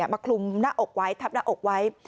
มาคลุมหน้าอกไว้ทับหน้าอกไว้